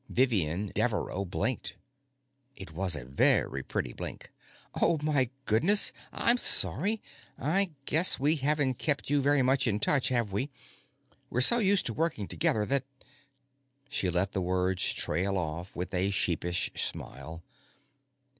Vivian Devereaux blinked. It was a very pretty blink. "Oh, my goodness. I'm sorry. I guess we haven't kept you very much in touch, really, have we? We're so used to working together that...." She let the words trail off with a sheepish smile.